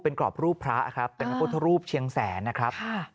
เป็นกรอบรูปพระครับเป็นพระพุทธรูปเชียงแสนนะครับ